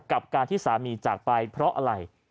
กับการที่สามีจากไปเพราะอะไร